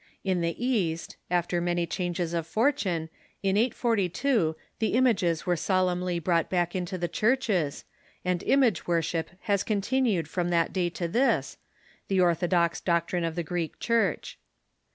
In the East, after many changes of fortune, in 842, the images were solemnly brought back into the churches, and image worship has con tinued from that day to this, the orthodox doctrine of the Greek Church.